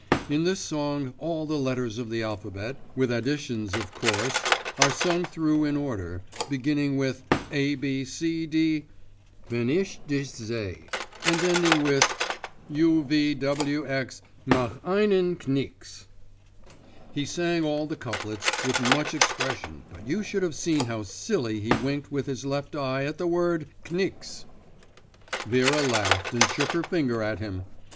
In this song all the letters of the alphabet with additions of course are sung through in order, beginning with 'A B C D Wenn ich dich seh!' and ending with 'U V W X Mach einen Knicks!' He sang all the couplets with much expression; but you should have seen how slily he winked with his left eye at the word 'Knicks!' Vera laughed and shook her finger at him.